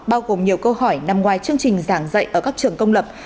bao gồm nhiều câu hỏi nằm ngoài chương trình giảng dạy ở các trường công lập